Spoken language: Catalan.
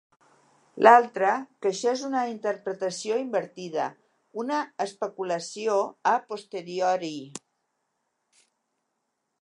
L'altra, que això és una interpretació invertida, una especulació a posteriori.